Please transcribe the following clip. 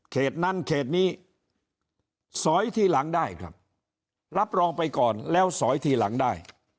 นั้นเขตนี้สอยทีหลังได้ครับรับรองไปก่อนแล้วสอยทีหลังได้